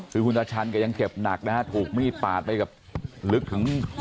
คือคุณตาชันก็ยังเจ็บหนักนะฮะถูกมีดปาดไปแบบลึกถึง